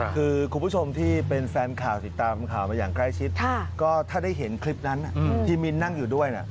คือคุณผู้ชมที่เป็นแฟนข่าวติดตามข่าวมาอย่างใกล้ชิดก็ถ้าได้เห็นคลิปนั้นที่มิ้นนั่งอยู่ด้วยนะ